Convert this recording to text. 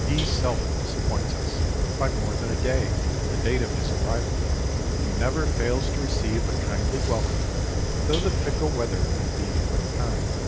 He seldom disappoints us by more than a day in the date of his arrival, and never fails to receive a kindly welcome, though the fickle weather may be unkind.